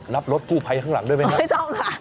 รับรถกู้ภัยข้างหลังด้วยไหมครับไม่ต้องค่ะ